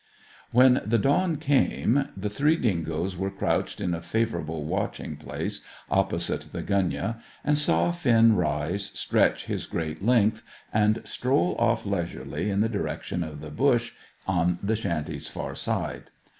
When the dawn came, the three dingoes were crouched in a favourable watching place opposite the gunyah, and saw Finn rise, stretch his great length, and stroll off leisurely in the direction of the bush on the shanty's far side.